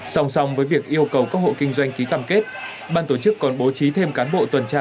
song song với việc yêu cầu các hộ kinh doanh ký cam kết ban tổ chức còn bố trí thêm cán bộ tuần tra